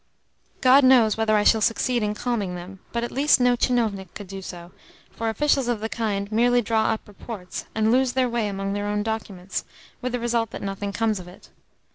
God knows whether I shall succeed in calming them, but at least no tchinovnik could do so, for officials of the kind merely draw up reports and lose their way among their own documents with the result that nothing comes of it.